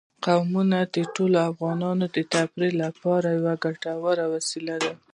قومونه د ټولو افغانانو د تفریح لپاره یوه ګټوره وسیله ده.